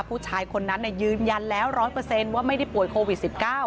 ผู้ชายคนนั้นยืนยันแล้ว๑๐๐ว่าไม่ได้ป่วยโควิด๑๙